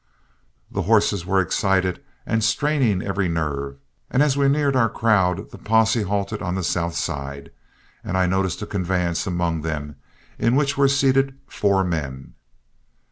The horses were excited and straining every nerve, and as we neared our crowd the posse halted on the south side and I noticed a conveyance among them in which were seated four men.